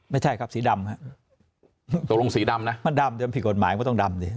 ไม่ใช่ครับสีดำฮะตกลงสีดำนะมันดำแต่มันผิดกฎหมายก็ต้องดำดิ